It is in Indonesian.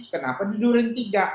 kenapa di turin tiga